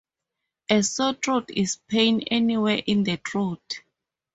A sore throat is pain anywhere in the throat.